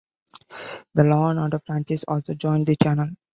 The "Law and Order" franchise also joined the channel.